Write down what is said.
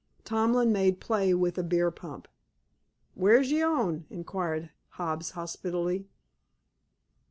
Tomlin made play with a beer pump. "Where's yer own?" inquired Hobbs hospitably.